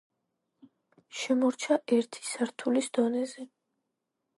შემორჩა ერთი სართულის დონეზე.